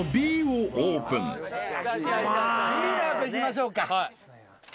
Ｂをいきましょうか。